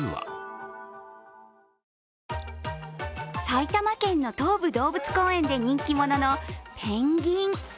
埼玉県の東武動物公園で人気者のペンギン。